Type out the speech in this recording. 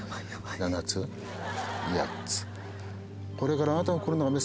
７つ８つ。